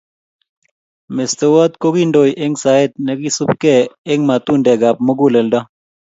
Mestowot kokindoi eng saet nekisub ke eng matundek ab muguleldo